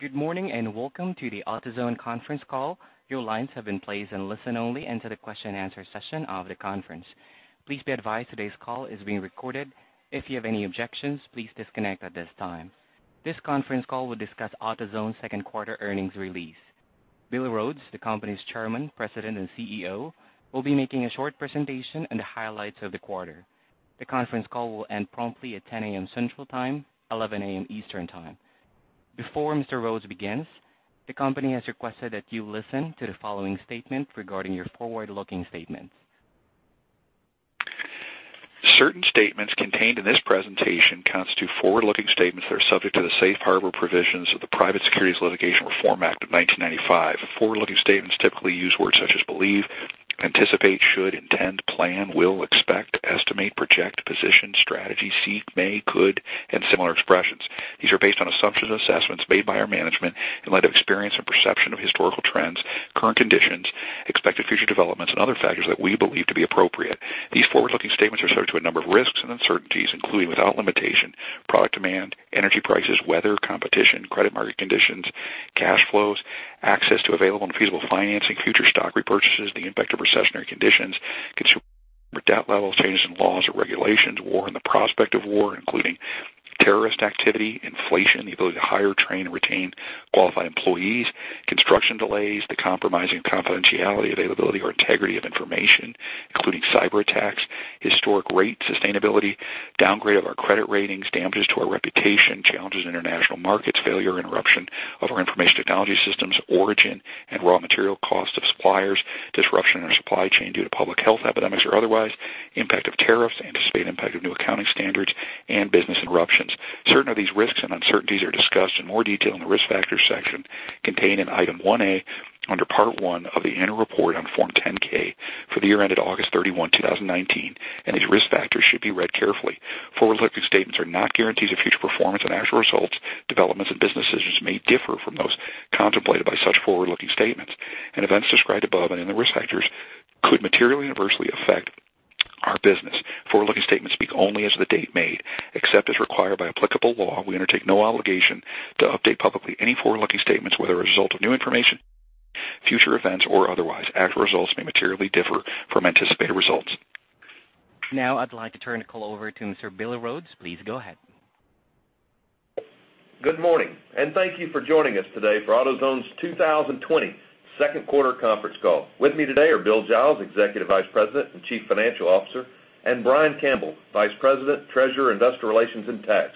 Good morning. Welcome to the AutoZone Conference Call. Your lines have been placed in listen only until the question-and-answer session of the conference. Please be advised today's call is being recorded. If you have any objections, please disconnect at this time. This conference call will discuss AutoZone's Q2 earnings release. Bill Rhodes, the company's Chairman, President, and CEO, will be making a short presentation on the highlights of the quarter. The conference call will end promptly at 10:00 A.M. Central Time, 11:00 A.M. Eastern Time. Before Mr. Rhodes begins, the company has requested that you listen to the following statement regarding your forward-looking statements. Certain statements contained in this presentation constitute forward-looking statements that are subject to the safe harbor provisions of the Private Securities Litigation Reform Act of 1995. Forward-looking statements typically use words such as believe, anticipate, should, intend, plan, will, expect, estimate, project, position, strategy, seek, may, could, and similar expressions. These are based on assumptions and assessments made by our management in light of experience and perception of historical trends, current conditions, expected future developments, and other factors that we believe to be appropriate. These forward-looking statements are subject to a number of risks and uncertainties, including without limitation, product demand, energy prices, weather, competition, credit market conditions, cash flows, access to available and feasible financing, future stock repurchases, the impact of recessionary conditions, consumer debt levels, changes in laws or regulations, war and the prospect of war, including terrorist activity, inflation, the ability to hire, train, and retain qualified employees, construction delays, the compromising confidentiality, availability, or integrity of information, including cyberattacks, historic rate sustainability, downgrade of our credit ratings, damages to our reputation, challenges in international markets, failure, interruption of our information technology systems, origin and raw material cost of suppliers, disruption in our supply chain due to public health epidemics or otherwise, impact of tariffs, anticipated impact of new accounting standards, and business interruptions. Certain of these risks and uncertainties are discussed in more detail in the Risk Factors section contained in Item 1A under Part 1 of the annual report on Form 10-K for the year ended August 31, 2019, and these risk factors should be read carefully. Forward-looking statements are not guarantees of future performance, and actual results, developments, and business decisions may differ from those contemplated by such forward-looking statements, and events described above and in the risk factors could materially adversely affect our business. Forward-looking statements speak only as of the date made. Except as required by applicable law, we undertake no obligation to update publicly any forward-looking statements, whether as a result of new information, future events, or otherwise. Actual results may materially differ from anticipated results. Now, I'd like to turn the call over to Mr. Bill Rhodes. Please go ahead. Good morning, thank you for joining us today for AutoZone's 2020 Q2 Conference Call. With me today are Bill Giles, Executive Vice President and Chief Financial Officer, and Brian Campbell, Vice President, Treasurer, Investor Relations, and Tax.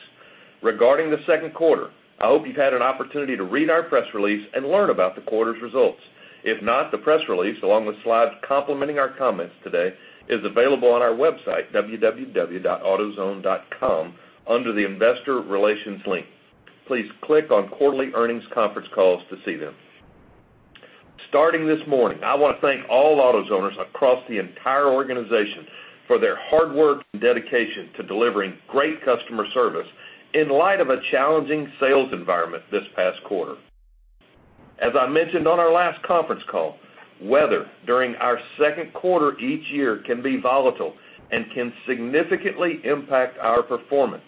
Regarding the Q2, I hope you've had an opportunity to read our press release and learn about the quarter's results. If not, the press release, along with slides complementing our comments today, is available on our website, www.autozone.com, under the Investor Relations link. Please click on Quarterly Earnings Conference Calls to see them. Starting this morning, I want to thank all AutoZoners across the entire organization for their hard work and dedication to delivering great customer service in light of a challenging sales environment this past quarter. As I mentioned on our last conference call, weather during our Q2 each year can be volatile and can significantly impact our performance.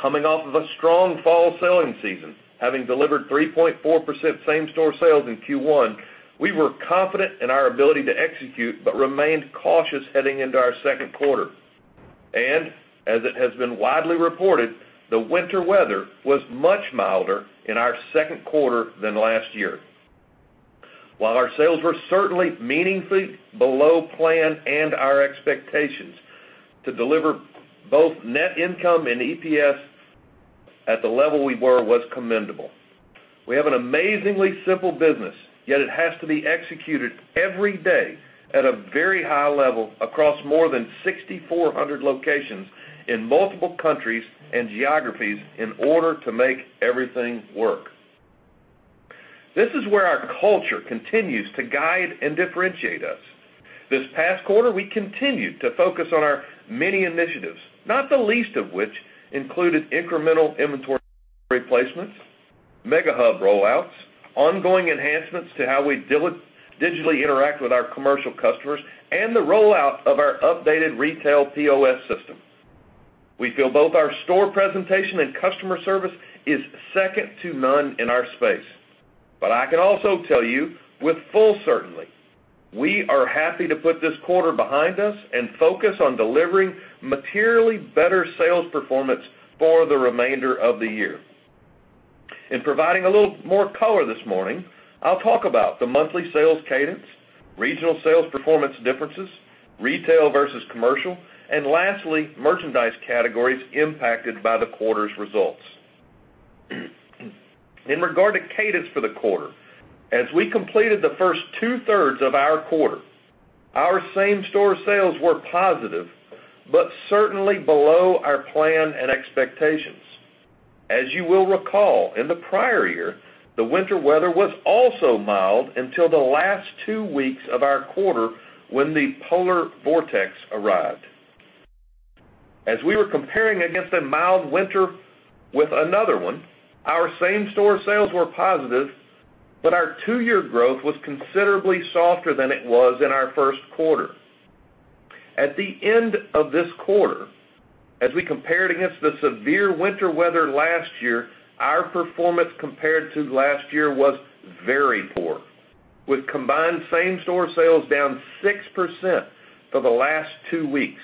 Coming off of a strong fall selling season, having delivered 3.4% same-store sales in Q1, we were confident in our ability to execute but remained cautious heading into our Q2. As it has been widely reported, the winter weather was much milder in our Q2 than last year. While our sales were certainly meaningfully below plan and our expectations, to deliver both net income and EPS at the level we were was commendable. We have an amazingly simple business, yet it has to be executed every day at a very high level across more than 6,400 locations in multiple countries and geographies in order to make everything work. This is where our culture continues to guide and differentiate us. This past quarter, we continued to focus on our many initiatives, not the least of which included incremental inventory replacements, MegaHub rollouts, ongoing enhancements to how we digitally interact with our commercial customers, and the rollout of our updated retail POS system. We feel both our store presentation and customer service is second to none in our space. I can also tell you with full certainty, we are happy to put this quarter behind us and focus on delivering materially better sales performance for the remainder of the year. In providing a little more color this morning, I'll talk about the monthly sales cadence, regional sales performance differences, retail versus commercial, and lastly, merchandise categories impacted by the quarter's results. In regard to cadence for the quarter, as we completed the first two-thirds of our quarter, our same-store sales were positive but certainly below our plan and expectations. As you will recall, in the prior year, the winter weather was also mild until the last two weeks of our quarter when the polar vortex arrived. As we were comparing against a mild winter with another one, our same-store sales were positive. Our two-year growth was considerably softer than it was in our Q1. At the end of this quarter, as we compared against the severe winter weather last year, our performance compared to last year was very poor, with combined same-store sales down 6% for the last two weeks.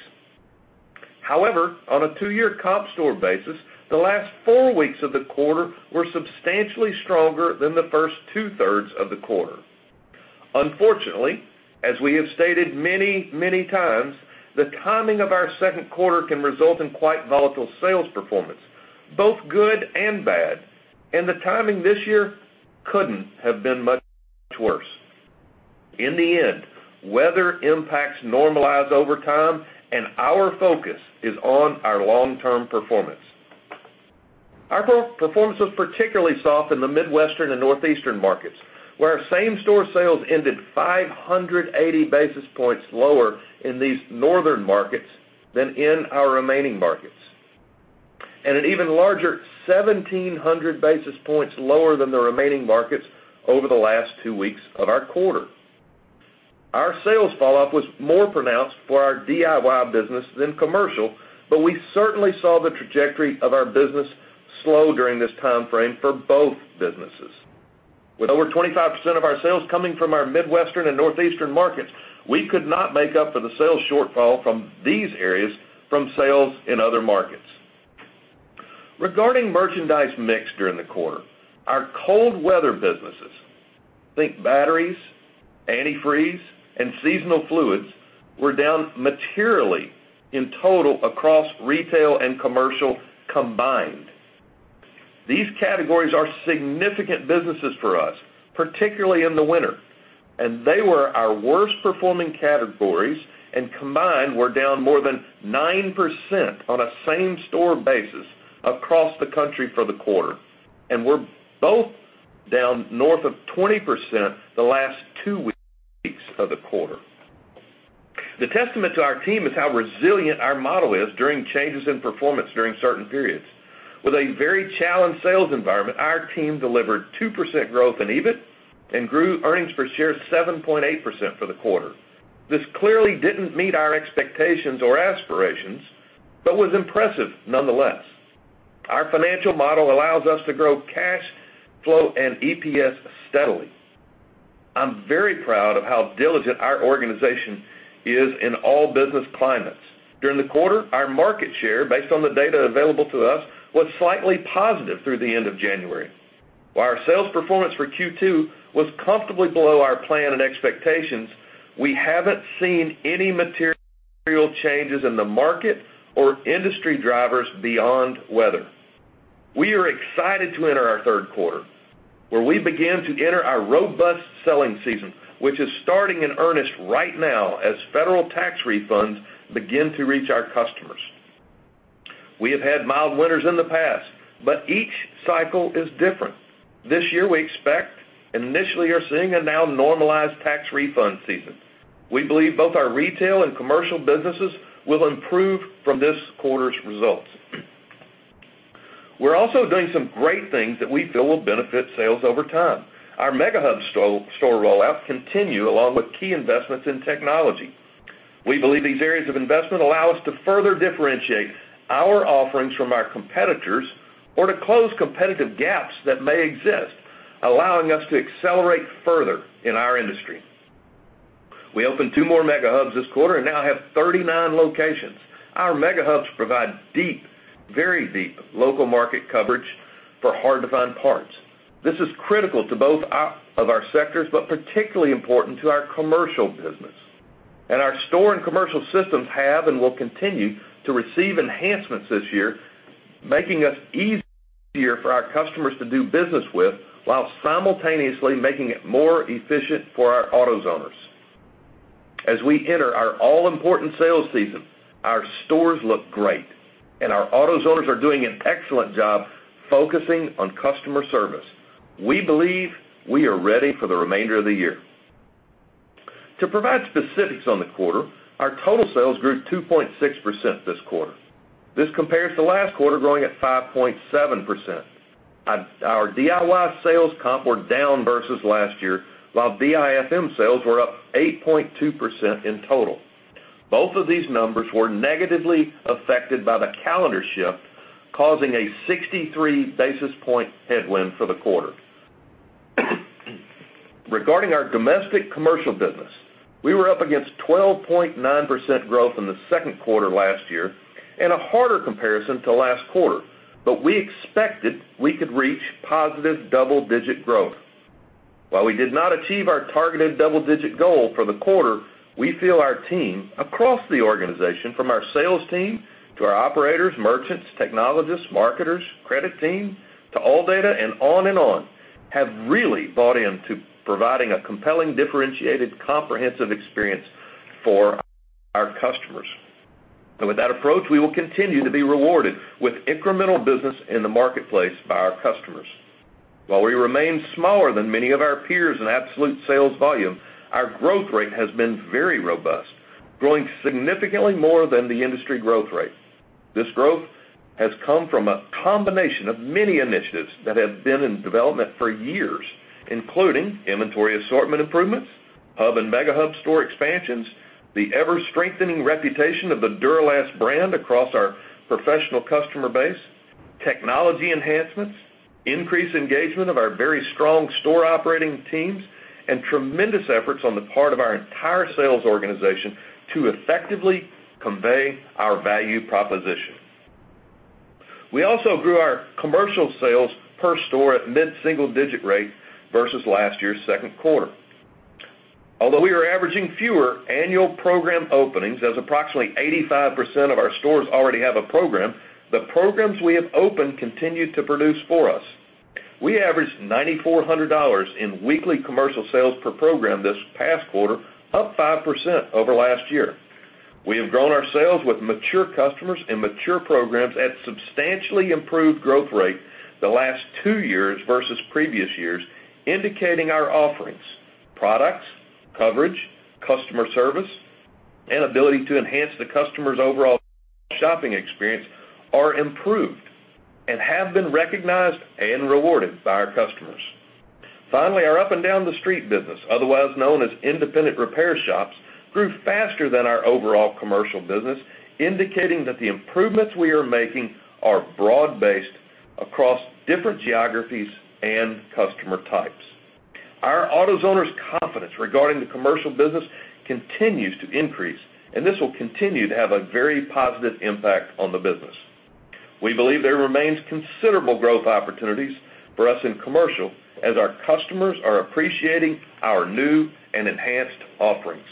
However, on a two-year comp store basis, the last four weeks of the quarter were substantially stronger than the first two-thirds of the quarter. Unfortunately, as we have stated many, many times, the timing of our Q2 can result in quite volatile sales performance, both good and bad, and the timing this year couldn't have been much worse. In the end, weather impacts normalize over time, and our focus is on our long-term performance. Our performance was particularly soft in the Midwestern and Northeastern markets, where our same-store sales ended 580 basis points lower in these northern markets than in our remaining markets. An even larger 1,700 basis points lower than the remaining markets over the last two weeks of our quarter. Our sales falloff was more pronounced for our DIY business than commercial, but we certainly saw the trajectory of our business slow during this timeframe for both businesses. With over 25% of our sales coming from our Midwestern and Northeastern markets, we could not make up for the sales shortfall from these areas from sales in other markets. Regarding merchandise mix during the quarter, our cold weather businesses, think batteries, antifreeze, and seasonal fluids, were down materially in total across retail and commercial combined. These categories are significant businesses for us, particularly in the winter, and they were our worst-performing categories, and combined, were down more than 9% on a same-store basis across the country for the quarter. Were both down north of 20% the last two weeks of the quarter. The testament to our team is how resilient our model is during changes in performance during certain periods. With a very challenged sales environment, our team delivered 2% growth in EBIT and grew earnings per share 7.8% for the quarter. This clearly didn't meet our expectations or aspirations but was impressive nonetheless. Our financial model allows us to grow cash flow and EPS steadily. I'm very proud of how diligent our organization is in all business climates. During the quarter, our market share, based on the data available to us, was slightly positive through the end of January. While our sales performance for Q2 was comfortably below our plan and expectations, we haven't seen any material changes in the market or industry drivers beyond weather. We are excited to enter our Q3, where we begin to enter our robust selling season, which is starting in earnest right now as federal tax refunds begin to reach our customers. We have had mild winters in the past, but each cycle is different. This year, we expect and initially are seeing a now normalized tax refund season. We believe both our retail and commercial businesses will improve from this quarter's results. We're also doing some great things that we feel will benefit sales over time. Our MegaHub store rollout continue along with key investments in technology. We believe these areas of investment allow us to further differentiate our offerings from our competitors or to close competitive gaps that may exist, allowing us to accelerate further in our industry. We opened two more MegaHubs this quarter and now have 39 locations. Our MegaHubs provide deep, very deep local market coverage for hard-to-find parts. This is critical to both of our sectors, but particularly important to our commercial business. Our store and commercial systems have and will continue to receive enhancements this year, making us easier for our customers to do business with while simultaneously making it more efficient for our AutoZoners. As we enter our all-important sales season, our stores look great, and our AutoZoners are doing an excellent job focusing on customer service. We believe we are ready for the remainder of the year. To provide specifics on the quarter, our total sales grew 2.6% this quarter. This compares to last quarter growing at 5.7%. Our DIY sales comp were down versus last year, while DIFM sales were up 8.2% in total. Both of these numbers were negatively affected by the calendar shift, causing a 63 basis point headwind for the quarter. Regarding our domestic commercial business, we were up against 12.9% growth in the Q2 last year and a harder comparison to last quarter, but we expected we could reach positive double-digit growth. While we did not achieve our targeted double-digit goal for the quarter, we feel our team across the organization, from our sales team to our operators, merchants, technologists, marketers, credit team, to ALLDATA and on and on, have really bought into providing a compelling, differentiated, comprehensive experience for our customers. With that approach, we will continue to be rewarded with incremental business in the marketplace by our customers. While we remain smaller than many of our peers in absolute sales volume, our growth rate has been very robust, growing significantly more than the industry growth rate. This growth has come from a combination of many initiatives that have been in development for years, including inventory assortment improvements, hub and Mega Hub store expansions, the ever-strengthening reputation of the Duralast brand across our professional customer base, technology enhancements, increased engagement of our very strong store operating teams, and tremendous efforts on the part of our entire sales organization to effectively convey our value proposition. We also grew our commercial sales per store at mid-single digit rate versus last year's Q2. Although we are averaging fewer annual program openings as approximately 85% of our stores already have a program, the programs we have opened continue to produce for us. We averaged $9,400 in weekly commercial sales per program this past quarter, up 5% over last year. We have grown our sales with mature customers and mature programs at substantially improved growth rate the last two years versus previous years, indicating our offerings, products, coverage, customer service, and ability to enhance the customer's overall shopping experience are improved and have been recognized and rewarded by our customers. Finally, our up and down the street business, otherwise known as independent repair shops, grew faster than our overall commercial business, indicating that the improvements we are making are broad-based across different geographies and customer types. Our AutoZoners' confidence regarding the commercial business continues to increase, and this will continue to have a very positive impact on the business. We believe there remains considerable growth opportunities for us in commercial as our customers are appreciating our new and enhanced offerings.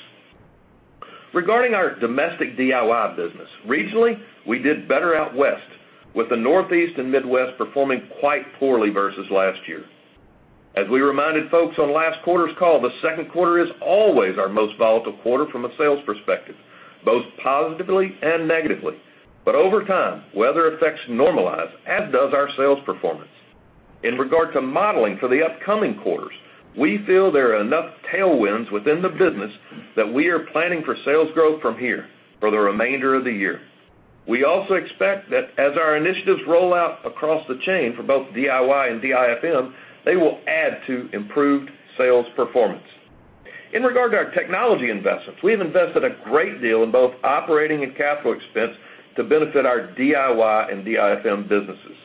Regarding our domestic DIY business, regionally, we did better out West, with the Northeast and Midwest performing quite poorly versus last year. As we reminded folks on last quarter's call, the Q2 is always our most volatile quarter from a sales perspective, both positively and negatively. Over time, weather effects normalize, as does our sales performance. In regard to modeling for the upcoming quarters, we feel there are enough tailwinds within the business that we are planning for sales growth from here for the remainder of the year. We also expect that as our initiatives roll out across the chain for both DIY and DIFM, they will add to improved sales performance. In regard to our technology investments, we have invested a great deal in both operating and capital expense to benefit our DIY and DIFM businesses.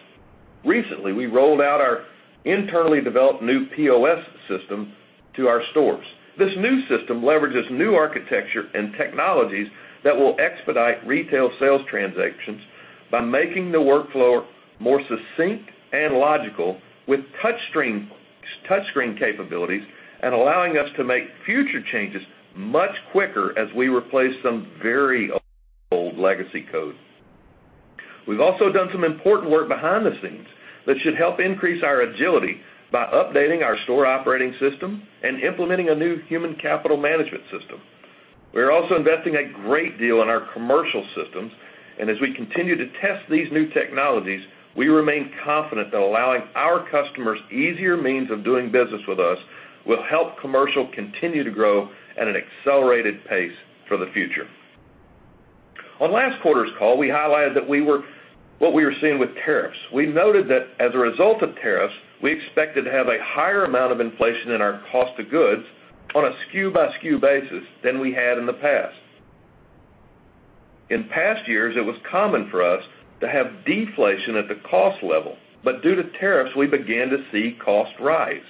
Recently, we rolled out our internally developed new POS system to our stores. This new system leverages new architecture and technologies that will expedite retail sales transactions by making the workflow more succinct and logical with touchscreen capabilities and allowing us to make future changes much quicker as we replace some very old legacy code. We've also done some important work behind the scenes that should help increase our agility by updating our store operating system and implementing a new human capital management system. We are also investing a great deal in our commercial systems, as we continue to test these new technologies, we remain confident that allowing our customers easier means of doing business with us will help commercial continue to grow at an accelerated pace for the future. On last quarter's call, we highlighted what we were seeing with tariffs. We noted that as a result of tariffs, we expected to have a higher amount of inflation in our cost of goods on a SKU-by-SKU basis than we had in the past. In past years, it was common for us to have deflation at the cost level, but due to tariffs, we began to see costs rise.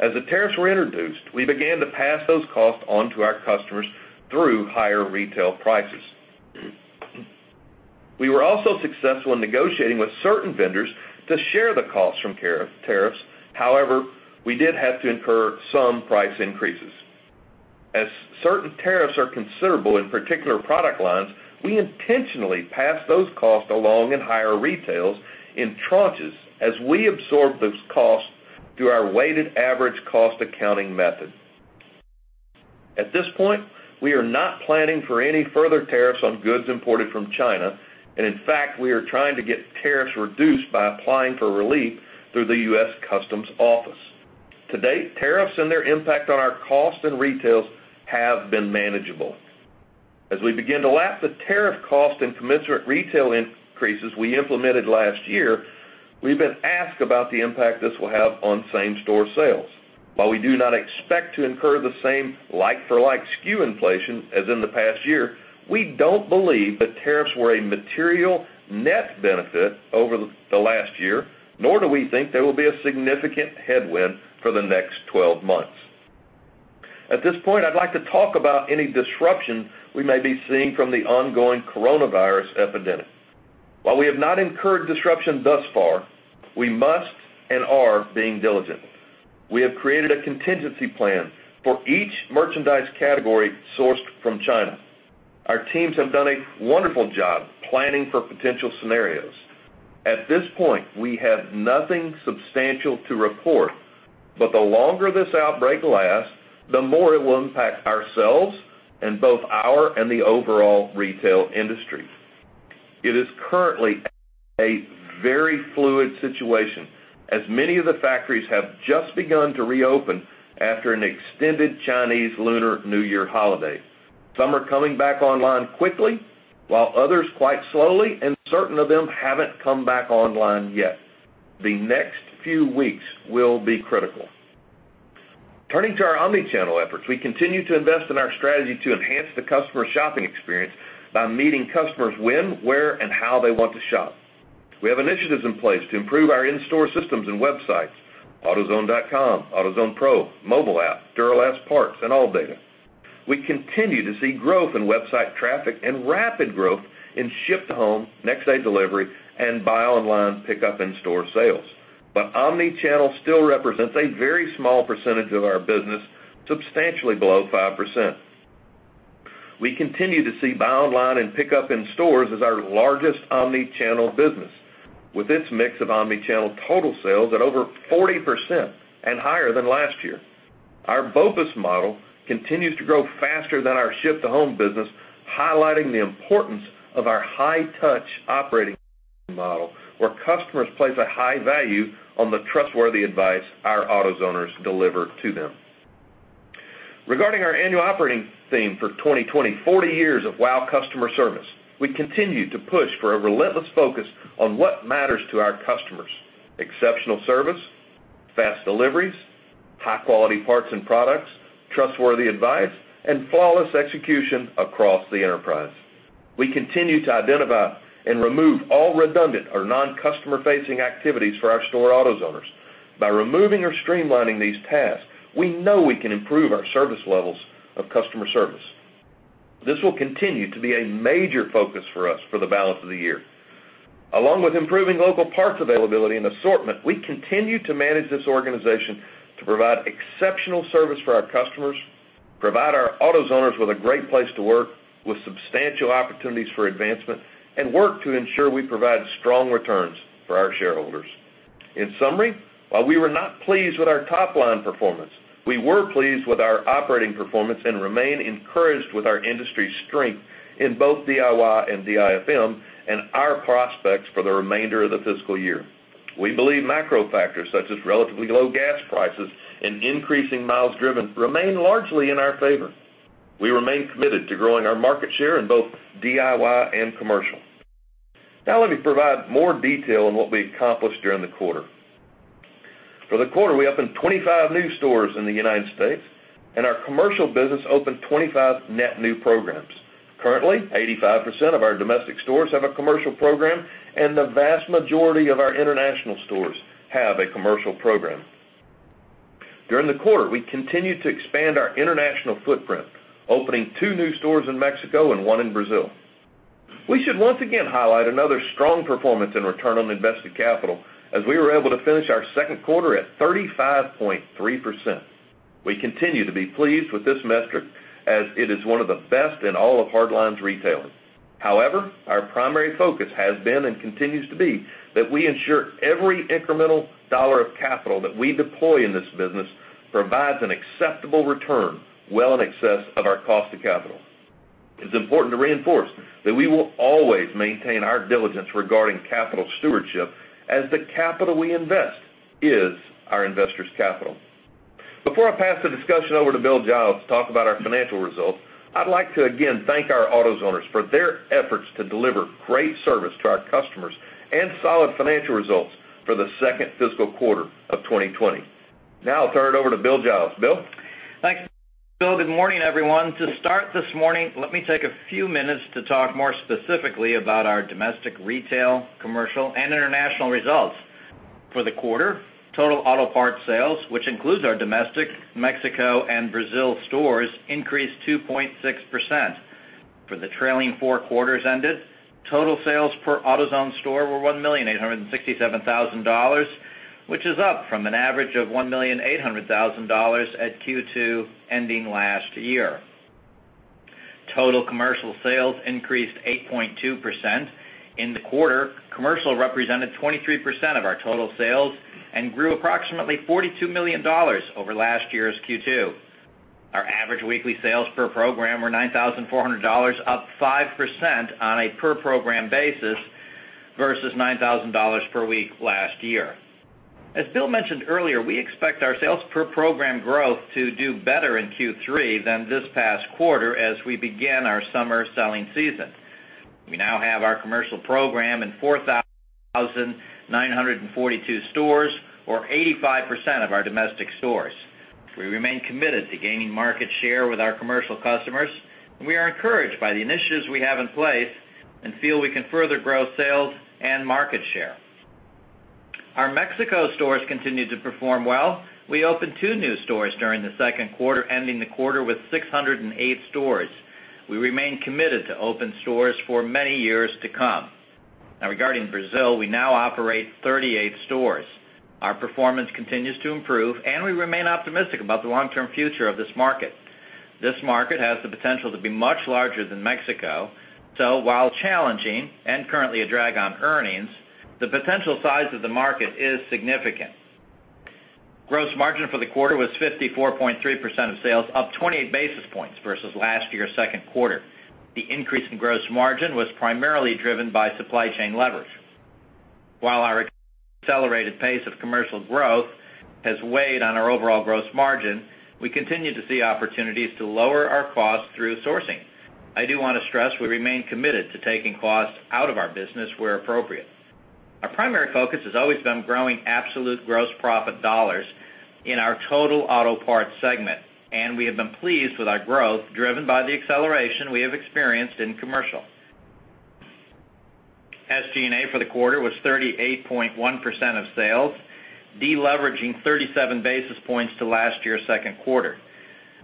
As the tariffs were introduced, we began to pass those costs on to our customers through higher retail prices. We were also successful in negotiating with certain vendors to share the cost from tariffs. However, we did have to incur some price increases. As certain tariffs are considerable in particular product lines, we intentionally pass those costs along in higher retails in tranches as we absorb those costs through our weighted average cost accounting method. At this point, we are not planning for any further tariffs on goods imported from China. In fact, we are trying to get tariffs reduced by applying for relief through the U.S. Customs office. To date, tariffs and their impact on our costs and retails have been manageable. As we begin to lap the tariff cost and commensurate retail increases we implemented last year, we've been asked about the impact this will have on same-store sales. While we do not expect to incur the same like-for-like SKU inflation as in the past year, we don't believe that tariffs were a material net benefit over the last year, nor do we think there will be a significant headwind for the next 12 months. At this point, I'd like to talk about any disruption we may be seeing from the ongoing coronavirus. While we have not incurred disruption thus far, we must and are being diligent. We have created a contingency plan for each merchandise category sourced from China. Our teams have done a wonderful job planning for potential scenarios. At this point, we have nothing substantial to report, but the longer this outbreak lasts, the more it will impact ourselves and both our and the overall retail industry. It is currently a very fluid situation, as many of the factories have just begun to reopen after an extended Chinese Lunar New Year holiday. Some are coming back online quickly, while others quite slowly, and certain of them haven't come back online yet. The next few weeks will be critical. Turning to our omni-channel efforts, we continue to invest in our strategy to enhance the customer shopping experience by meeting customers when, where, and how they want to shop. We have initiatives in place to improve our in-store systems and websites, autozone.com, AutoZone Pro, mobile app, Duralast, and ALLDATA. Omni-channel still represents a very small percentage of our business, substantially below 5%. We continue to see buy online and pick up in stores as our largest omni-channel business, with its mix of omni-channel total sales at over 40% and higher than last year. Our BOPUS model continues to grow faster than our ship-to-home business, highlighting the importance of our high-touch operating model, where customers place a high value on the trustworthy advice our AutoZoners deliver to them. Regarding our annual operating theme for 2020, 40 years of wow customer service, we continue to push for a relentless focus on what matters to our customers: exceptional service, fast deliveries, high-quality parts and products, trustworthy advice, and flawless execution across the enterprise. We continue to identify and remove all redundant or non-customer-facing activities for our store AutoZoners. By removing or streamlining these tasks, we know we can improve our service levels of customer service. This will continue to be a major focus for us for the balance of the year. Along with improving local parts availability and assortment, we continue to manage this organization to provide exceptional service for our customers, provide our AutoZoners with a great place to work with substantial opportunities for advancement, and work to ensure we provide strong returns for our shareholders. In summary, while we were not pleased with our top-line performance, we were pleased with our operating performance and remain encouraged with our industry strength in both DIY and DIFM and our prospects for the remainder of the fiscal year. We believe macro factors such as relatively low gas prices and increasing miles driven remain largely in our favor. We remain committed to growing our market share in both DIY and commercial. Now let me provide more detail on what we accomplished during the quarter. For the quarter, we opened 25 new stores in the United States, and our commercial business opened 25 net new programs. Currently, 85% of our domestic stores have a commercial program, and the vast majority of our international stores have a commercial program. During the quarter, we continued to expand our international footprint, opening two new stores in Mexico and one in Brazil. We should once again highlight another strong performance in return on invested capital as we were able to finish our Q2 at 35.3%. We continue to be pleased with this metric as it is one of the best in all of hard lines retailing. Our primary focus has been and continues to be that we ensure every incremental dollar of capital that we deploy in this business provides an acceptable return well in excess of our cost of capital. It's important to reinforce that we will always maintain our diligence regarding capital stewardship, as the capital we invest is our investors' capital. Before I pass the discussion over to Bill Giles to talk about our financial results, I'd like to again thank our AutoZoners for their efforts to deliver great service to our customers and solid financial results for the second fiscal quarter of 2020. Now I'll turn it over to Bill Giles. Bill? Thanks, Bill. Good morning, everyone. To start this morning, let me take a few minutes to talk more specifically about our domestic, retail, commercial, and international results. For the quarter, total auto parts sales, which includes our domestic, Mexico, and Brazil stores, increased 2.6%. For the trailing four quarters ended, total sales per AutoZone store were $1,867,000, which is up from an average of $1,800,000 at Q2 ending last year. Total commercial sales increased 8.2%. In the quarter, commercial represented 23% of our total sales and grew approximately $42 million over last year's Q2. Our average weekly sales per program were $9,400, up 5% on a per-program basis versus $9,000 per week last year. As Bill mentioned earlier, we expect our sales per program growth to do better in Q3 than this past quarter as we begin our summer selling season. We now have our commercial program in 4,942 stores or 85% of our domestic stores. We remain committed to gaining market share with our commercial customers, and we are encouraged by the initiatives we have in place and feel we can further grow sales and market share. Our Mexico stores continue to perform well. We opened two new stores during the Q2, ending the quarter with 608 stores. We remain committed to open stores for many years to come. Regarding Brazil, we now operate 38 stores. Our performance continues to improve, and we remain optimistic about the long-term future of this market. This market has the potential to be much larger than Mexico. While challenging and currently a drag on earnings, the potential size of the market is significant. Gross margin for the quarter was 54.3% of sales, up 28 basis points versus last year's Q2. The increase in gross margin was primarily driven by supply chain leverage. While our accelerated pace of commercial growth has weighed on our overall gross margin, we continue to see opportunities to lower our costs through sourcing. I do want to stress we remain committed to taking costs out of our business where appropriate. Our primary focus has always been growing absolute gross profit dollars in our total auto parts segment, and we have been pleased with our growth, driven by the acceleration we have experienced in commercial. SGA for the quarter was 38.1% of sales, deleveraging 37 basis points to last year's Q2.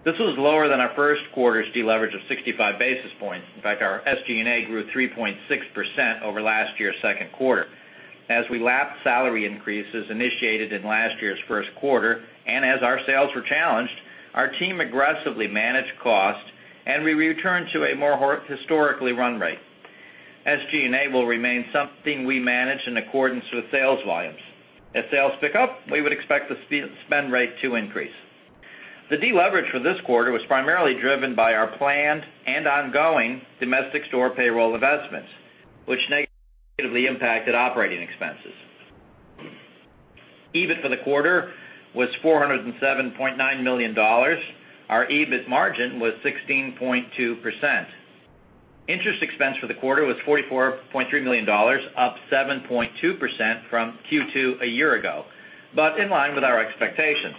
This was lower than our Q1's deleverage of 65 basis points. In fact, our SGA grew 3.6% over last year's Q2. As we lapped salary increases initiated in last year's Q1, and as our sales were challenged, our team aggressively managed cost, and we returned to a more historically run rate. SGA will remain something we manage in accordance with sales volumes. If sales pick up, we would expect the spend rate to increase. The deleverage for this quarter was primarily driven by our planned and ongoing domestic store payroll investments, which negatively impacted operating expenses. EBIT for the quarter was $407.9 million. Our EBIT margin was 16.2%. Interest expense for the quarter was $44.3 million, up 7.2% from Q2 a year ago, but in line with our expectations.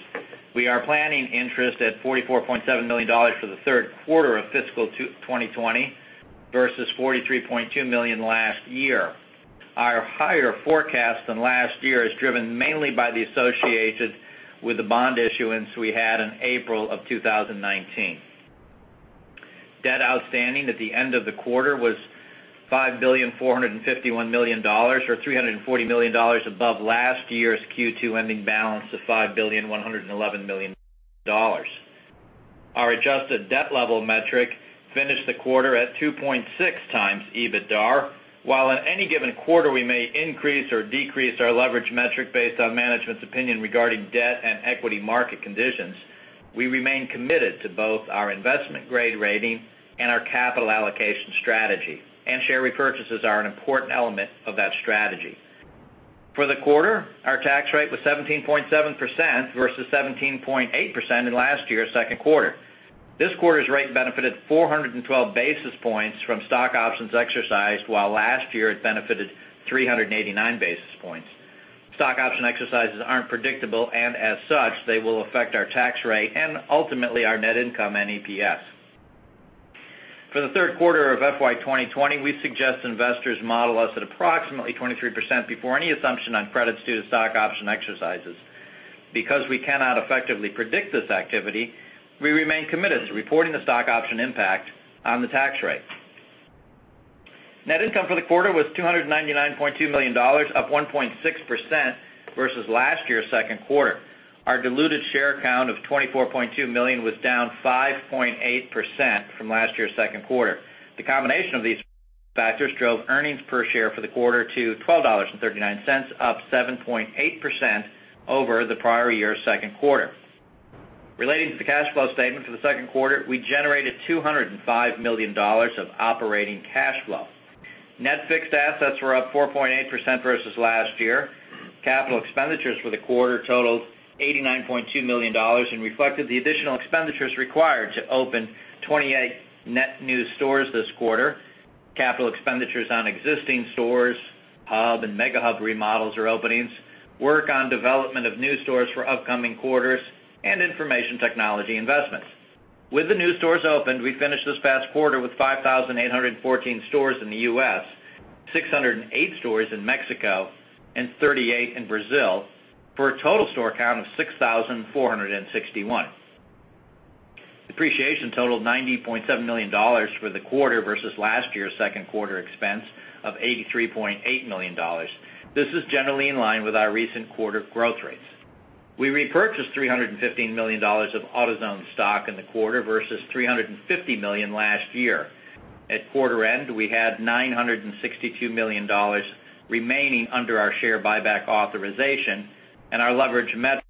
We are planning interest at $44.7 million for the Q3 of fiscal 2020 versus $43.2 million last year. Our higher forecast than last year is driven mainly by the associated with the bond issuance we had in April of 2019. Debt outstanding at the end of the quarter was $5.451 billion, or $340 million above last year's Q2 ending balance of $5.111 billion. Our adjusted debt level metric finished the quarter at 2.6x EBITDA. While in any given quarter we may increase or decrease our leverage metric based on management's opinion regarding debt and equity market conditions, we remain committed to both our investment-grade rating and our capital allocation strategy, and share repurchases are an important element of that strategy. For the quarter, our tax rate was 17.7% versus 17.8% in last year's Q2. This quarter's rate benefited 412 basis points from stock options exercised, while last year it benefited 389 basis points. Stock option exercises aren't predictable, and as such, they will affect our tax rate and ultimately our net income and EPS. For the Q3 of FY 2020, we suggest investors model us at approximately 23% before any assumption on credits due to stock option exercises. Because we cannot effectively predict this activity, we remain committed to reporting the stock option impact on the tax rate. Net income for the quarter was $299.2 million, up 1.6% versus last year's Q2. Our diluted share count of 24.2 million was down 5.8% from last year's Q2. The combination of these factors drove earnings per share for the quarter to $12.39, up 7.8% over the prior year's Q2. Relating to the cash flow statement for the Q2, we generated $205 million of operating cash flow. Net fixed assets were up 4.8% versus last year. Capital expenditures for the quarter totaled $89.2 million and reflected the additional expenditures required to open 28 net new stores this quarter, capital expenditures on existing stores, hub and Mega Hub remodels or openings, work on development of new stores for upcoming quarters, and information technology investments. With the new stores opened, we finished this past quarter with 5,814 stores in the U.S., 608 stores in Mexico, and 38 in Brazil, for a total store count of 6,461. Depreciation totaled $90.7 million for the quarter versus last year's Q2 expense of $83.8 million. This is generally in line with our recent quarter growth rates. We repurchased $315 million of AutoZone stock in the quarter versus $350 million last year. At quarter end, we had $962 million remaining under our share buyback authorization, and our leverage metric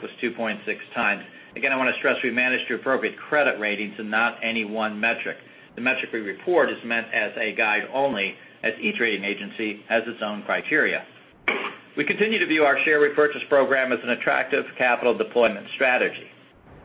was 2.6x. Again, I want to stress we manage to appropriate credit ratings and not any one metric. The metric we report is meant as a guide only, as each rating agency has its own criteria. We continue to view our share repurchase program as an attractive capital deployment strategy.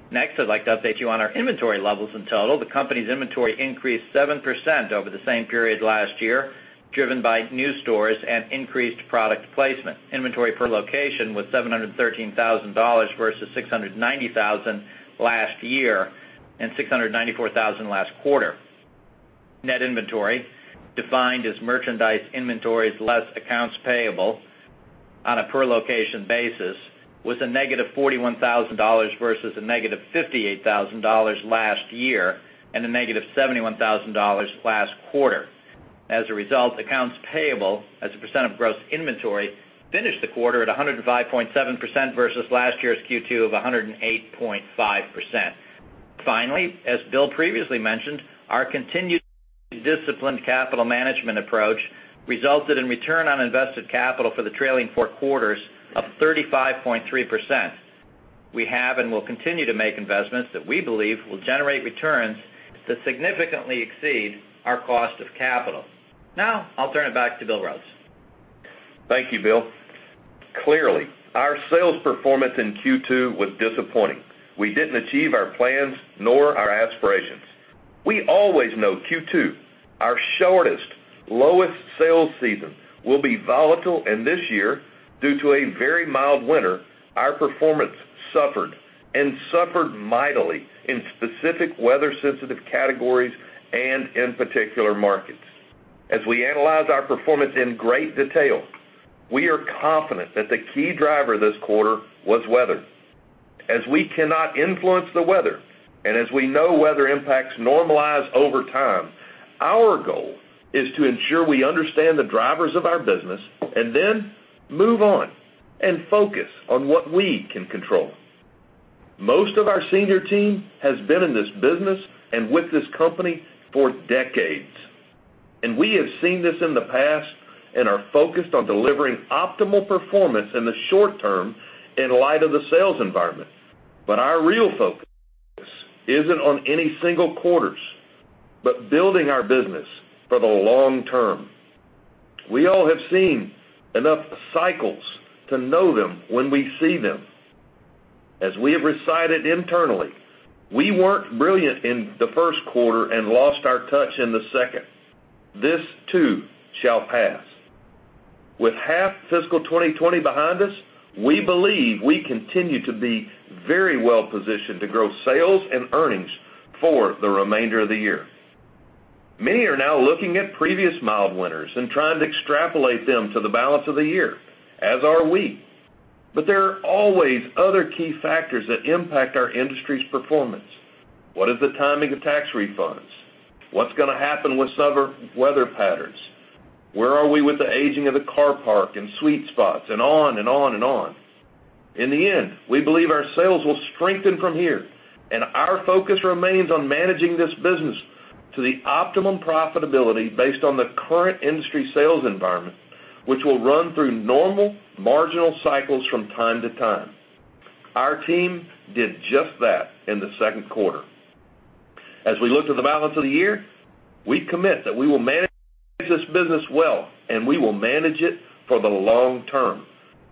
Next, I'd like to update you on our inventory levels. In total, the company's inventory increased 7% over the same period last year, driven by new stores and increased product placement. Inventory per location was $713,000 versus $690,000 last year and $694,000 last quarter. Net inventory, defined as merchandise inventories less accounts payable on a per-location basis, was a -$41,000 versus a -$58,000 last year and a -$71,000 last quarter. As a result, accounts payable as a percent of gross inventory finished the quarter at 105.7% versus last year's Q2 of 108.5%. Finally, as Bill previously mentioned, our continued disciplined capital management approach resulted in return on invested capital for the trailing four quarters of 35.3%. We have and will continue to make investments that we believe will generate returns that significantly exceed our cost of capital. Now, I'll turn it back to Bill Rhodes. Thank you, Bill. Clearly, our sales performance in Q2 was disappointing. We didn't achieve our plans nor our aspirations. We always know Q2, our shortest, lowest sales season, will be volatile and this year, due to a very mild winter, our performance suffered, and suffered mightily in specific weather-sensitive categories and in particular markets. As we analyze our performance in great detail, we are confident that the key driver this quarter was weather. As we cannot influence the weather, and as we know weather impacts normalize over time, our goal is to ensure we understand the drivers of our business and then move on and focus on what we can control. Most of our senior team has been in this business and with this company for decades, we have seen this in the past and are focused on delivering optimal performance in the short term in light of the sales environment. Our real focus isn't on any single quarters, but building our business for the long term. We all have seen enough cycles to know them when we see them. As we have recited internally, we weren't brilliant in the Q1 and lost our touch in the second. This too shall pass. With half fiscal 2020 behind us, we believe we continue to be very well positioned to grow sales and earnings for the remainder of the year. Many are now looking at previous mild winters and trying to extrapolate them to the balance of the year, as are we. There are always other key factors that impact our industry's performance. What is the timing of tax refunds? What's going to happen with summer weather patterns? Where are we with the aging of the car park and sweet spots, and on and on and on? In the end, we believe our sales will strengthen from here, and our focus remains on managing this business to the optimum profitability based on the current industry sales environment, which will run through normal marginal cycles from time to time. Our team did just that in the Q2. As we look to the balance of the year, we commit that we will manage this business well, and we will manage it for the long term.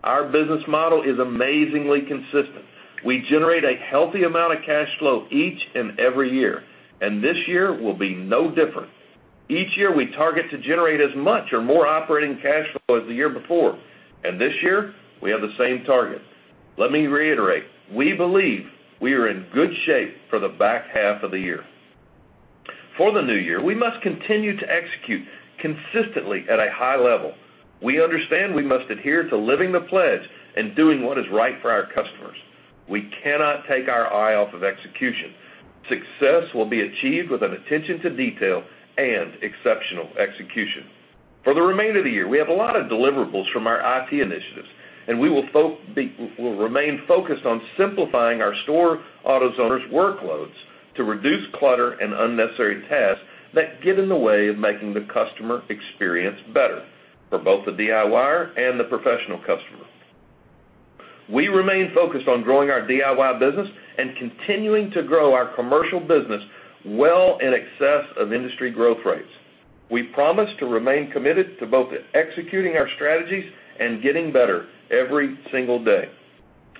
Our business model is amazingly consistent. We generate a healthy amount of cash flow each and every year, and this year will be no different. Each year, we target to generate as much or more operating cash flow as the year before, and this year, we have the same target. Let me reiterate, we believe we are in good shape for the back half of the year. For the new year, we must continue to execute consistently at a high level. We understand we must adhere to living the pledge and doing what is right for our customers. We cannot take our eye off of execution. Success will be achieved with an attention to detail and exceptional execution. For the remainder of the year, we have a lot of deliverables from our IT initiatives, and we will remain focused on simplifying our store AutoZoners' workloads to reduce clutter and unnecessary tasks that get in the way of making the customer experience better for both the DIYer and the professional customer. We remain focused on growing our DIY business and continuing to grow our commercial business well in excess of industry growth rates. We promise to remain committed to both executing our strategies and getting better every single day.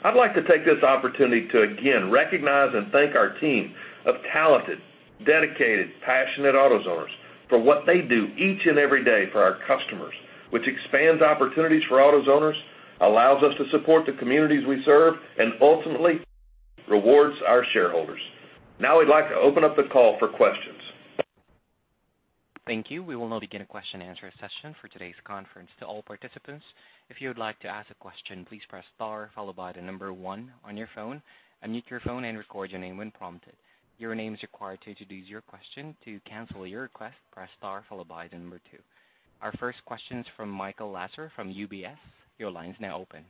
I'd like to take this opportunity to again recognize and thank our team of talented, dedicated, passionate AutoZoners for what they do each and every day for our customers, which expands opportunities for AutoZoners, allows us to support the communities we serve, and ultimately rewards our shareholders. Now I'd like to open up the call for questions. Thank you. We will now begin a question-and-answer session for today's conference. To all participants, if you would like to ask a question, please press star followed by the number one on your phone, unmute your phone, and record your name when prompted. Your name is required to introduce your question. To cancel your request, press star followed by the number two. Our first question is from Michael Lasser from UBS. Your line is now open.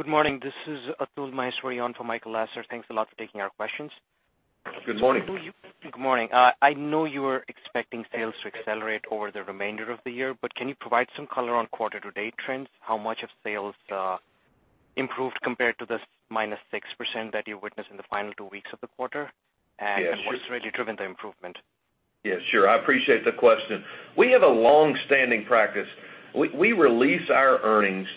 Good morning. This is Atul Maheswari on for Michael Lasser. Thanks a lot for taking our questions. Good morning. Good morning. I know you were expecting sales to accelerate over the remainder of the year, can you provide some color on quarter-to-date trends? How much of sales improved compared to the -6% that you witnessed in the final two weeks of the quarter? Yeah, sure. What's really driven the improvement? Yeah, sure. I appreciate the question. We release our earnings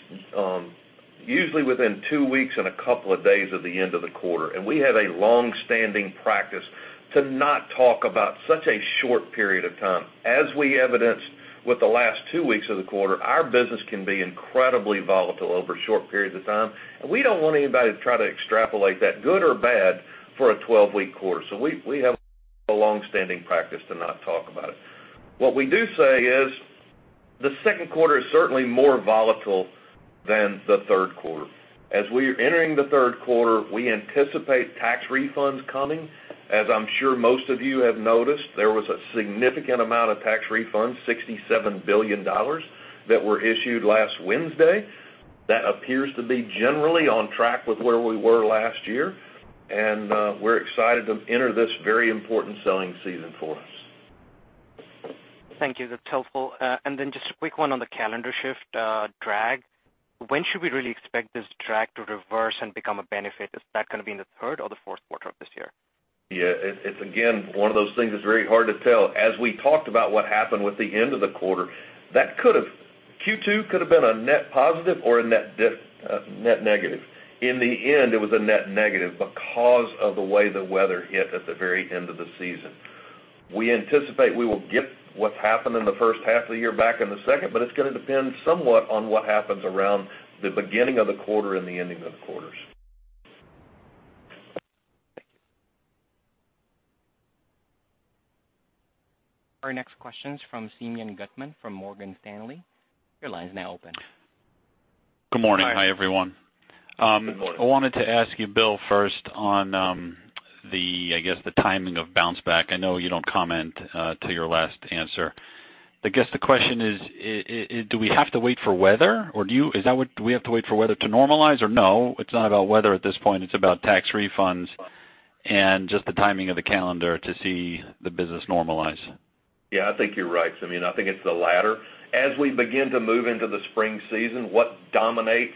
usually within two weeks and a couple of days of the end of the quarter, and we have a longstanding practice to not talk about such a short period of time. As we evidenced with the last two weeks of the quarter, our business can be incredibly volatile over short periods of time, and we don't want anybody to try to extrapolate that, good or bad, for a 12-week quarter. We have a longstanding practice to not talk about it. What we do say is the Q2 is certainly more volatile than the Q3. As we're entering the Q3, we anticipate tax refunds coming. As I'm sure most of you have noticed, there was a significant amount of tax refunds, $67 billion, that were issued last Wednesday. That appears to be generally on track with where we were last year, and we're excited to enter this very important selling season for us. Thank you. That's helpful. Just a quick one on the calendar shift drag. When should we really expect this drag to reverse and become a benefit? Is that going to be in the Q3 or the Q4 of this year? Yeah. It's, again, one of those things that's very hard to tell. As we talked about what happened with the end of the quarter, Q2 could have been a net positive or a net negative. In the end, it was a net negative because of the way the weather hit at the very end of the season. We anticipate we will get what's happened in the first half of the year back in the second, but it's going to depend somewhat on what happens around the beginning of the quarter and the ending of the quarters. Thank you. Our next question's from Simeon Gutman from Morgan Stanley. Your line is now open. Good morning. Hi. Hi, everyone. Good morning. I wanted to ask you, Bill, first on the, I guess, the timing of bounce back. I know you don't comment to your last answer. I guess the question is, do we have to wait for weather to normalize, or no, it's not about weather at this point, it's about tax refunds and just the timing of the calendar to see the business normalize? Yeah, I think you're right, Simeon. I think it's the latter. As we begin to move into the spring season, what dominates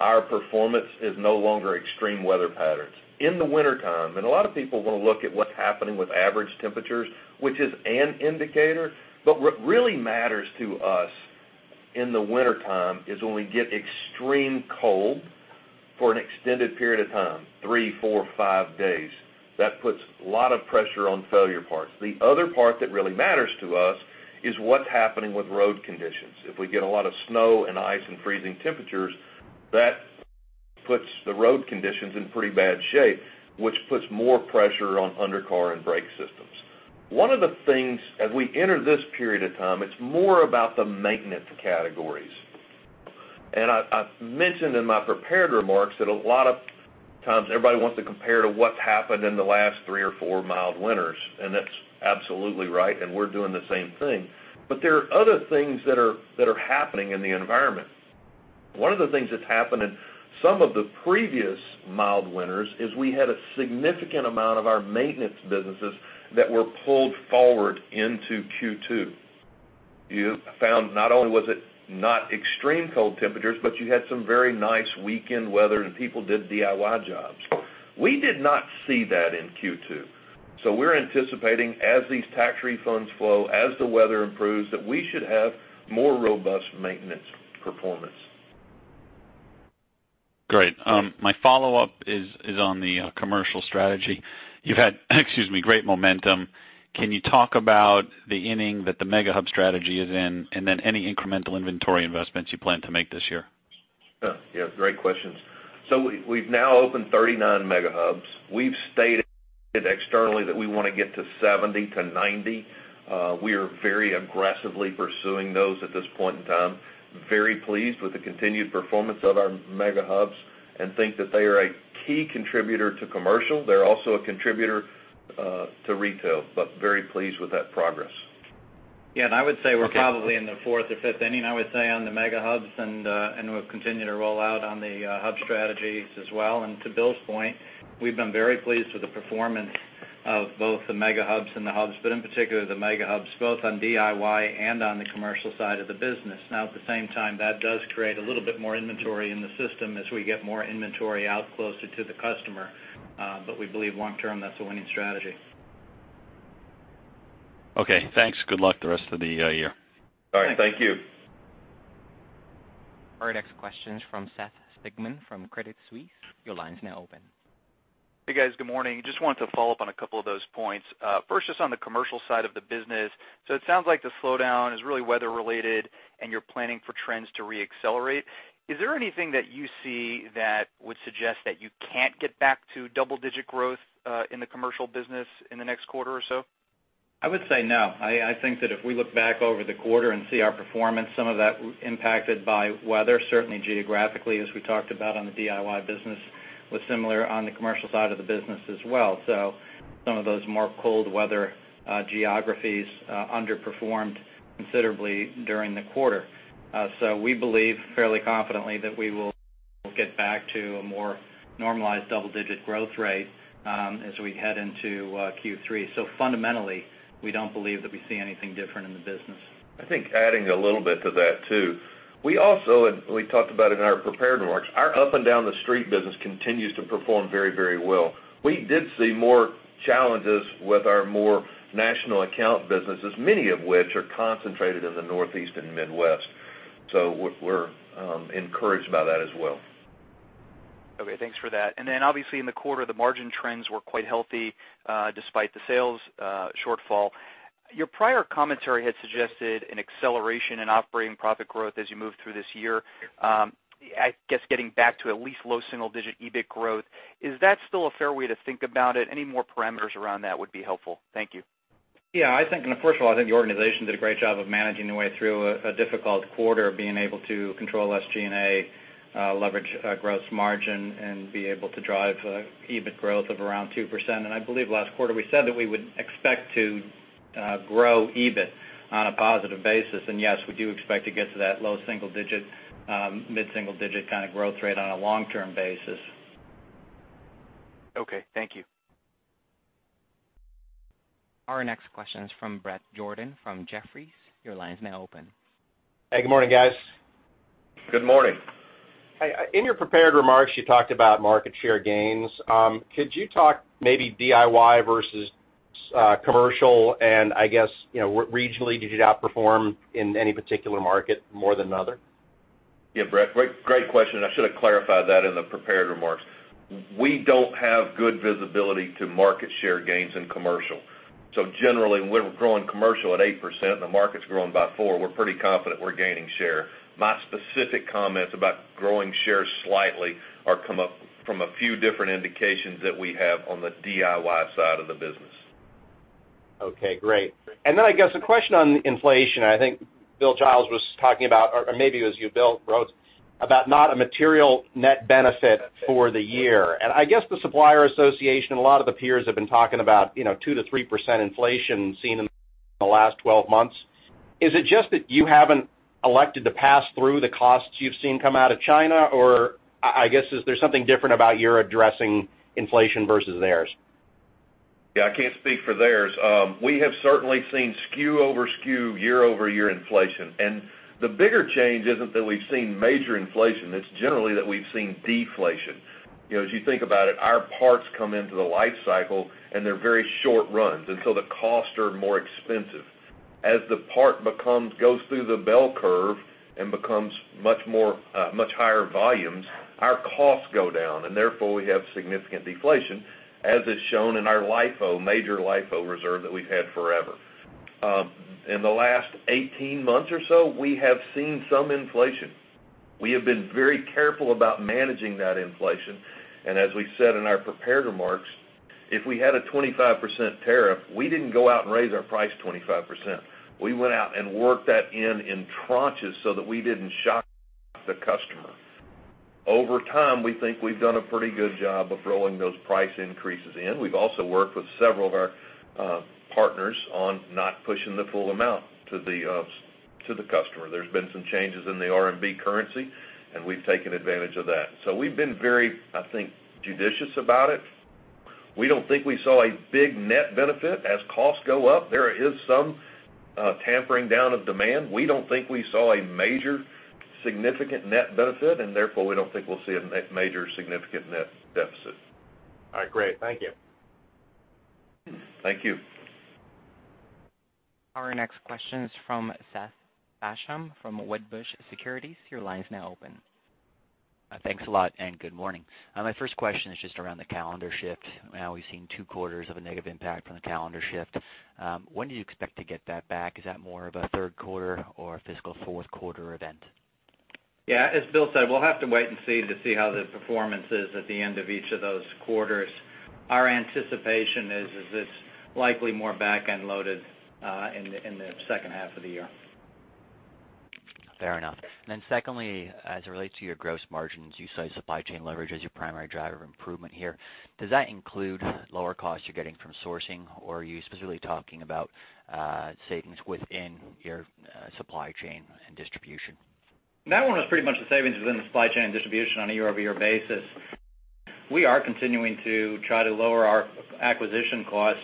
our performance is no longer extreme weather patterns. In the wintertime, a lot of people want to look at what's happening with average temperatures, which is an indicator. What really matters to us in the wintertime is when we get extreme cold for an extended period of time, three, four, five days. That puts a lot of pressure on failure parts. The other part that really matters to us is what's happening with road conditions. If we get a lot of snow and ice and freezing temperatures, that puts the road conditions in pretty bad shape, which puts more pressure on undercar and brake systems. One of the things, as we enter this period of time, it's more about the maintenance categories. I've mentioned in my prepared remarks that a lot of times everybody wants to compare to what's happened in the last three or four mild winters, and that's absolutely right, and we're doing the same thing. There are other things that are happening in the environment. One of the things that's happened in some of the previous mild winters is we had a significant amount of our maintenance businesses that were pulled forward into Q2. You found not only was it not extreme cold temperatures, but you had some very nice weekend weather, and people did DIY jobs. We did not see that in Q2. We're anticipating, as these tax refunds flow, as the weather improves, that we should have more robust maintenance performance. Great. Yeah. My follow-up is on the commercial strategy. You've had, excuse me, great momentum. Can you talk about the inning that the Mega Hub strategy is in, and then any incremental inventory investments you plan to make this year? Yeah. Great questions. We've now opened 39 Mega Hubs. We've stated externally that we wanna get to 70 to 90. We are very aggressively pursuing those at this point in time. Very pleased with the continued performance of our Mega Hubs and think that they are a key contributor to commercial. They're also a contributor to retail, but very pleased with that progress. Yeah. I would say we're probably in the fourth or fifth inning, I would say, on the Mega Hubs, we'll continue to roll out on the hub strategies as well. To Bill's point, we've been very pleased with the performance of both the Mega Hubs and the hubs, in particular, the Mega Hubs, both on DIY and on the commercial side of the business. Now, at the same time, that does create a little bit more inventory in the system as we get more inventory out closer to the customer. We believe long term, that's a winning strategy. Okay, thanks. Good luck the rest of the year. All right. Thank you. Thanks. Our next question's from Seth Sigman from Credit Suisse. Your line's now open. Hey, guys. Good morning. Just wanted to follow up on a couple of those points. First, just on the commercial side of the business. It sounds like the slowdown is really weather related, and you're planning for trends to re-accelerate. Is there anything that you see that would suggest that you can't get back to double-digit growth in the commercial business in the next quarter or so? I would say no. I think that if we look back over the quarter and see our performance, some of that impacted by weather, certainly geographically, as we talked about on the DIY business, was similar on the commercial side of the business as well. Some of those more cold weather geographies underperformed considerably during the quarter. We believe fairly confidently that we will get back to a more normalized double-digit growth rate as we head into Q3. Fundamentally, we don't believe that we see anything different in the business. I think adding a little bit to that, too. We also, and we talked about it in our prepared remarks, our up and down the street business continues to perform very, very well. We did see more challenges with our more national account businesses, many of which are concentrated in the Northeast and Midwest. We're encouraged by that as well. Okay, thanks for that. Obviously, in the quarter, the margin trends were quite healthy despite the sales shortfall. Your prior commentary had suggested an acceleration in operating profit growth as you move through this year. I guess getting back to at least low single digit EBIT growth. Is that still a fair way to think about it? Any more parameters around that would be helpful. Thank you. Yeah. First of all, I think the organization did a great job of managing their way through a difficult quarter, being able to control SG&A, leverage gross margin, and be able to drive EBIT growth of around 2%. I believe last quarter we said that we would expect to grow EBIT on a positive basis. Yes, we do expect to get to that low single-digit, mid-single-digit kind of growth rate on a long-term basis. Okay, thank you. Our next question is from Bret Jordan from Jefferies. Your line is now open. Hey, good morning, guys. Good morning. Hey, in your prepared remarks, you talked about market share gains. Could you talk maybe DIY versus commercial and I guess, regionally, did you outperform in any particular market more than another? Bret, great question, and I should have clarified that in the prepared remarks. We don't have good visibility to market share gains in commercial. Generally, when we're growing commercial at 8% and the market's growing by 4%, we're pretty confident we're gaining share. My specific comments about growing shares slightly come from a few different indications that we have on the DIY side of the business. Okay, great. I guess, a question on inflation. I think Bill Giles was talking about, or maybe it was you, Bill Rhodes, about not a material net benefit for the year. I guess the supplier association and a lot of the peers have been talking about 2%-3% inflation seen in the last 12 months. Is it just that you haven't elected to pass through the costs you've seen come out of China? Or, I guess, is there something different about your addressing inflation versus theirs? Yeah, I can't speak for theirs. We have certainly seen SKU-over-SKU, year-over-year inflation. The bigger change isn't that we've seen major inflation, it's generally that we've seen deflation. As you think about it, our parts come into the life cycle in their very short runs, and so the costs are more expensive. As the part goes through the bell curve and becomes much higher volumes, our costs go down, and therefore we have significant deflation, as is shown in our major LIFO reserve that we've had forever. In the last 18 months or so, we have seen some inflation. We have been very careful about managing that inflation, and as we said in our prepared remarks, if we had a 25% tariff, we didn't go out and raise our price 25%. We went out and worked that in in tranches so that we didn't shock the customer. Over time, we think we've done a pretty good job of rolling those price increases in. We've also worked with several of our partners on not pushing the full amount to the customer. There's been some changes in the RMB currency, and we've taken advantage of that. We've been very, I think, judicious about it. We don't think we saw a big net benefit as costs go up. There is some tampering down of demand. We don't think we saw a major significant net benefit and therefore we don't think we'll see a major significant net deficit. All right, great. Thank you. Thank you. Our next question is from Seth Basham from Wedbush Securities. Your line is now open. Thanks a lot, and good morning. My first question is just around the calendar shift. Now we've seen two quarters of a negative impact from the calendar shift. When do you expect to get that back? Is that more of a Q3 or a fiscal Q4 event? Yeah. As Bill said, we'll have to wait and see to see how the performance is at the end of each of those quarters. Our anticipation is it's likely more back-end loaded in the second half of the year. Fair enough. Secondly, as it relates to your gross margins, you cite supply chain leverage as your primary driver of improvement here. Does that include lower costs you're getting from sourcing, or are you specifically talking about savings within your supply chain and distribution? That one was pretty much the savings within the supply chain and distribution on a year-over-year basis. We are continuing to try to lower our acquisition cost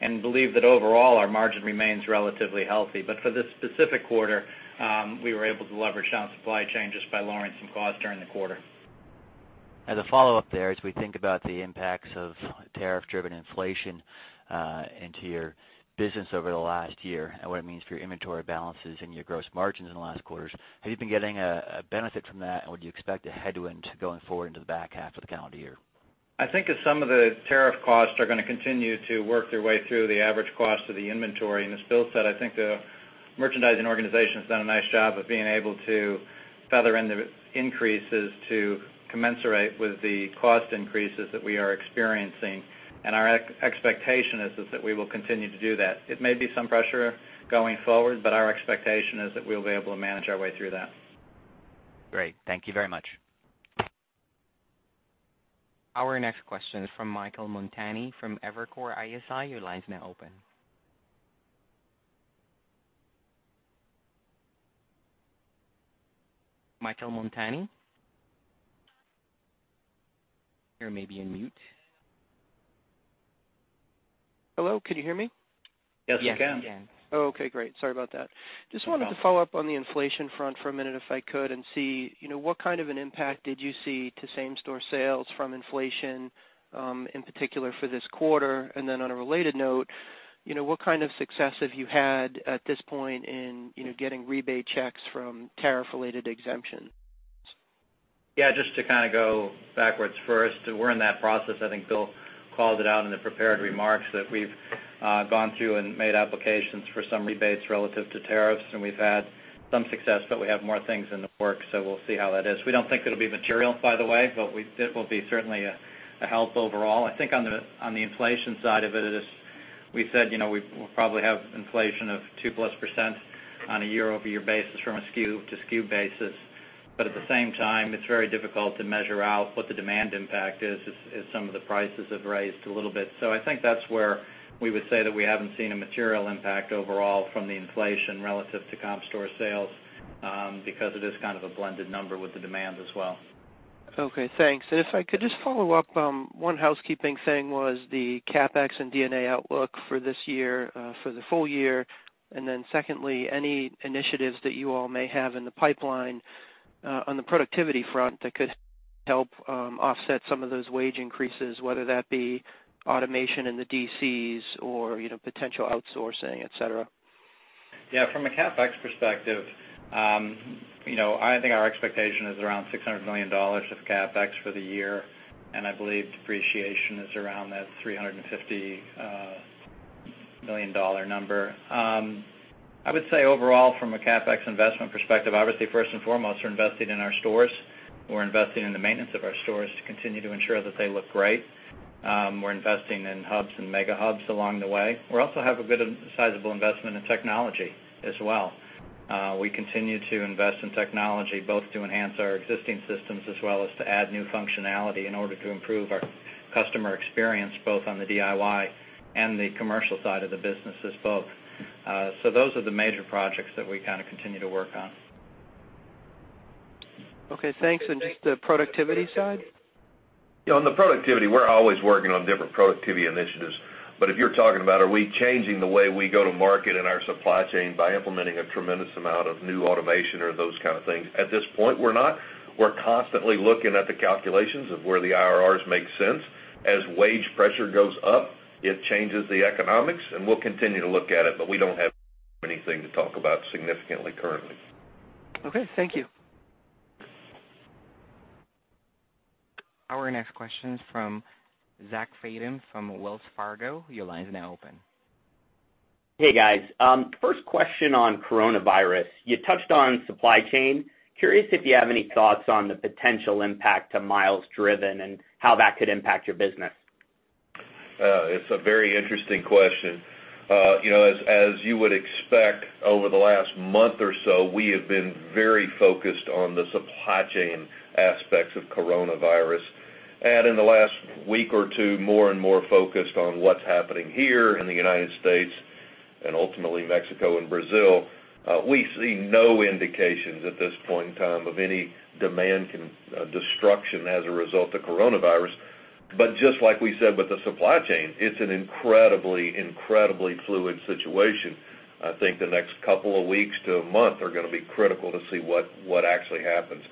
and believe that overall our margin remains relatively healthy. For this specific quarter, we were able to leverage down supply chain just by lowering some costs during the quarter. As a follow-up there, as we think about the impacts of tariff-driven inflation into your business over the last year and what it means for your inventory balances and your gross margins in the last quarters, have you been getting a benefit from that, or do you expect a headwind going forward into the back half of the calendar year? I think some of the tariff costs are going to continue to work their way through the average cost of the inventory. As Bill said, I think the merchandising organization's done a nice job of being able to feather in the increases to commensurate with the cost increases that we are experiencing. Our expectation is that we will continue to do that. It may be some pressure going forward, but our expectation is that we'll be able to manage our way through that. Great. Thank you very much. Our next question is from Michael Montani from Evercore ISI. Your line is now open. Michael Montani? You may be on mute. Hello, can you hear me? Yes, we can. Yes, we can. Oh, okay. Great. Sorry about that. No problem. Just wanted to follow up on the inflation front for a minute, if I could, and see what kind of an impact did you see to same-store sales from inflation, in particular for this quarter. Then on a related note, what kind of success have you had at this point in getting rebate checks from tariff-related exemptions? Yeah, just to kind of go backwards first, we're in that process. I think Bill called it out in the prepared remarks that we've gone through and made applications for some rebates relative to tariffs, and we've had some success, but we have more things in the works, so we'll see how that is. We don't think it'll be material, by the way, but it will be certainly a help overall. I think on the inflation side of it, we said we'll probably have inflation of 2+% on a year-over-year basis from a SKU-to-SKU basis. At the same time, it's very difficult to measure out what the demand impact is as some of the prices have raised a little bit. I think that's where we would say that we haven't seen a material impact overall from the inflation relative to comp store sales, because it is kind of a blended number with the demand as well. Okay, thanks. If I could just follow up, one housekeeping thing was the CapEx and D&A outlook for this year, for the full year. Secondly, any initiatives that you all may have in the pipeline on the productivity front that could help offset some of those wage increases, whether that be automation in the DCs or potential outsourcing, et cetera. Yeah. From a CapEx perspective, I think our expectation is around $600 million of CapEx for the year, and I believe depreciation is around that $350 million number. I would say overall from a CapEx investment perspective, obviously, first and foremost, we're investing in our stores. We're investing in the maintenance of our stores to continue to ensure that they look great. We're investing in hubs and Mega Hubs along the way. We also have a good sizable investment in technology as well. We continue to invest in technology both to enhance our existing systems as well as to add new functionality in order to improve our customer experience, both on the DIY and the commercial side of the business as both. Those are the major projects that we kind of continue to work on. Okay, thanks. Just the productivity side? On the productivity, we're always working on different productivity initiatives, but if you're talking about are we changing the way we go to market in our supply chain by implementing a tremendous amount of new automation or those kind of things, at this point, we're not. We're constantly looking at the calculations of where the IRRs make sense. As wage pressure goes up, it changes the economics, and we'll continue to look at it, but we don't have anything to talk about significantly currently. Okay, thank you. Our next question is from Zach Fadem from Wells Fargo. Your line is now open. Hey, guys. First question on coronavirus. You touched on supply chain. Curious if you have any thoughts on the potential impact to miles driven and how that could impact your business. It's a very interesting question. As you would expect, over the last month or so, we have been very focused on the supply chain aspects of coronavirus. In the last week or two, more and more focused on what's happening here in the United States and ultimately Mexico and Brazil. We see no indications at this point in time of any demand destruction as a result of coronavirus, but just like we said with the supply chain, it's an incredibly fluid situation. I think the next couple of weeks to a month are gonna be critical to see what actually happens.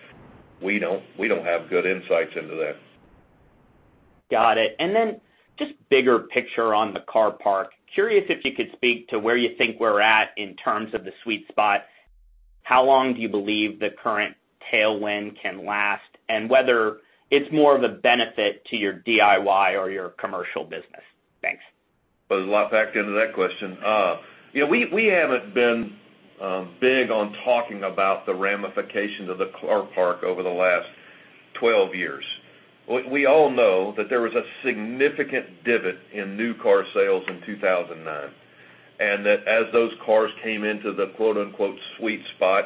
We don't have good insights into that. Got it. Then just bigger picture on the car park, curious if you could speak to where you think we're at in terms of the sweet spot. How long do you believe the current tailwind can last, and whether it's more of a benefit to your DIY or your commercial business? Thanks. There's a lot packed into that question. We haven't been big on talking about the ramifications of the car park over the last 12 years. We all know that there was a significant divot in new car sales in 2009, and that as those cars came into the quote-unquote sweet spot,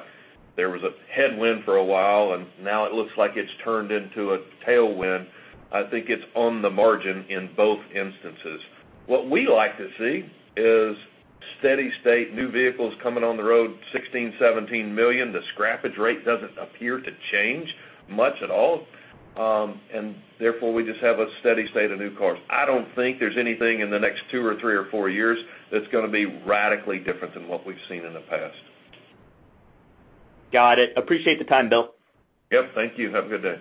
there was a headwind for a while, and now it looks like it's turned into a tailwind. I think it's on the margin in both instances. What we like to see is steady state new vehicles coming on the road, 16 million-17 million. The scrappage rate doesn't appear to change much at all. Therefore, we just have a steady state of new cars. I don't think there's anything in the next two or three or four years that's gonna be radically different than what we've seen in the past. Got it. Appreciate the time, Bill. Yep. Thank you. Have a good day.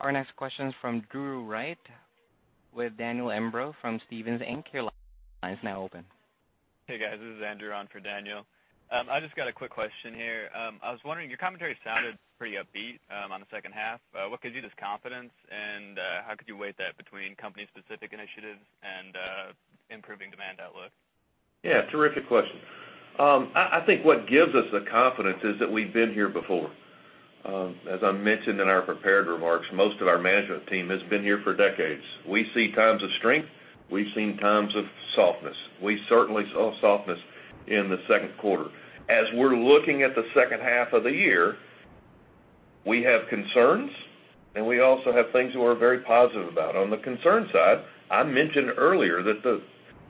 Our next question is from Drew Wright with Daniel Imbrogno from Stephens Inc. Your line is now open. Hey, guys, this is Andrew on for Daniel. I just got a quick question here. I was wondering, your commentary sounded pretty upbeat on the second half. What gives you this confidence, and how could you weigh that between company specific initiatives and improving demand outlook? Yeah. Terrific question. I think what gives us the confidence is that we've been here before. As I mentioned in our prepared remarks, most of our management team has been here for decades. We see times of strength. We've seen times of softness. We certainly saw softness in the Q2. As we're looking at the second half of the year, we have concerns, and we also have things we're very positive about. On the concern side, I mentioned earlier that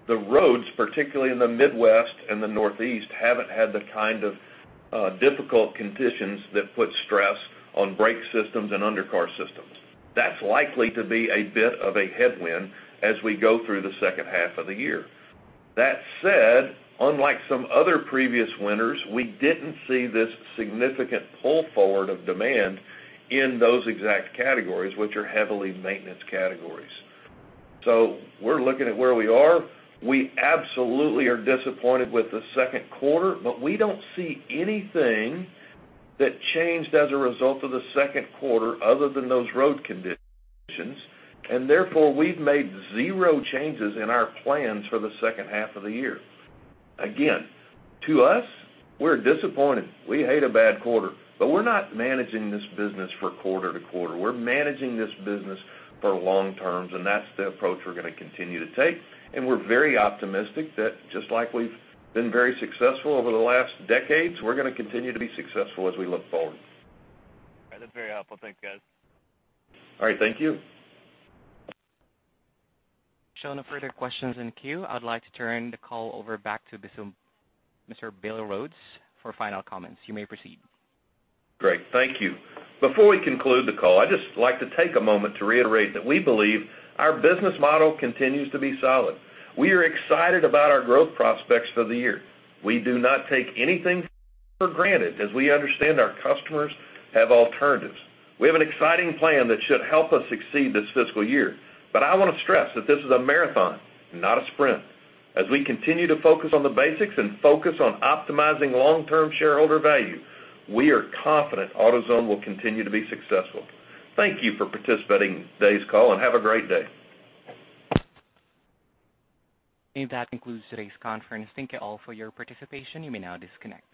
the roads, particularly in the Midwest and the Northeast, haven't had the kind of difficult conditions that put stress on brake systems and undercar systems. That's likely to be a bit of a headwind as we go through the second half of the year. That said, unlike some other previous winters, we didn't see this significant pull forward of demand in those exact categories, which are heavily maintenance categories. We're looking at where we are. We absolutely are disappointed with the Q2, but we don't see anything that changed as a result of the Q2 other than those road conditions, and therefore we've made zero changes in our plans for the second half of the year. To us, we're disappointed. We hate a bad quarter, but we're not managing this business for quarter to quarter. We're managing this business for long terms, and that's the approach we're gonna continue to take, and we're very optimistic that just like we've been very successful over the last decades, we're gonna continue to be successful as we look forward. That's very helpful. Thanks, guys. All right. Thank you. Showing no further questions in queue, I would like to turn the call over back to Mr. Bill Rhodes for final comments. You may proceed. Great. Thank you. Before we conclude the call, I'd just like to take a moment to reiterate that we believe our business model continues to be solid. We are excited about our growth prospects for the year. We do not take anything for granted as we understand our customers have alternatives. We have an exciting plan that should help us succeed this fiscal year, but I want to stress that this is a marathon, not a sprint. As we continue to focus on the basics and focus on optimizing long-term shareholder value, we are confident AutoZone will continue to be successful. Thank you for participating in today's call, and have a great day. That concludes today's conference. Thank you all for your participation. You may now disconnect.